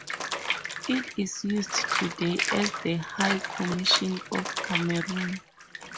It is used today as the High Commission of Cameroon.